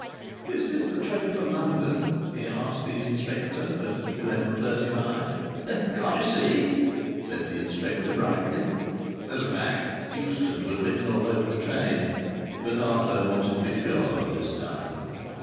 "Is this the train for London?" he asked an inspector at 11.35. "Can't you see?" said the inspector, brightly. As a fact, "Euston" was written all over the train. But Arthur wanted to be sure this time.